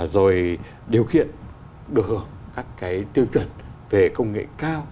rồi điều khiển được các cái tiêu chuẩn về công nghệ cao